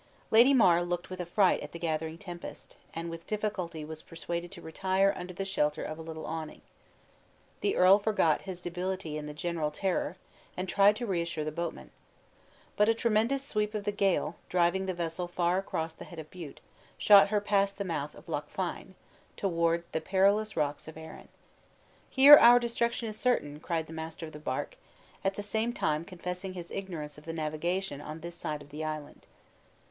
Lady Mar looked with affright at the gathering tempest, and with difficulty was persuaded to retire under the shelter of a little awning. The earl forgot his debility in the general terror; and tried to reassure the boatmen. But a tremendous sweep of the gale, driving the vessel far across the head of Bute, shot her past the mouth of Loch Fyne, toward the perilous rocks of Arran. "Here our destruction is certain!" cried the master of the bark, at the same time confessing his ignorance of the navigation on this side of the island.